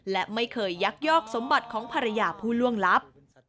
และไม่เคยยักยอกสมบัติของภรรยาผู้ล่วงลับ